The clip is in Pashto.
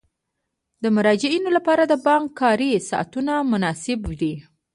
د مراجعینو لپاره د بانک کاري ساعتونه مناسب دي.